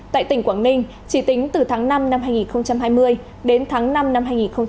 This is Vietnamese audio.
tại tỉnh quảng ninh chỉ tính từ tháng năm năm hai nghìn hai mươi đến tháng năm năm hai nghìn hai mươi